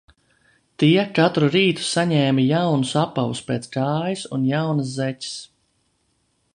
Tie katru rītu saņēma jaunus apavus pēc kājas un jaunas zeķes.